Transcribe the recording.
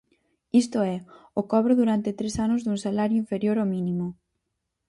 Isto é, o cobro durante tres anos dun salario inferior ao mínimo.